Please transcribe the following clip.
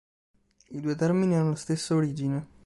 I due termini hanno la stessa origine.